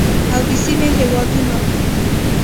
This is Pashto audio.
او د سیمې هیوادونه